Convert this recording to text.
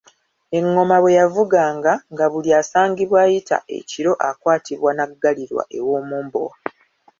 Ennoma bwe yavuganga, nga buli asangibwa ayita ekiro akwatibwa n'aggalirwa ew'Omumbowa.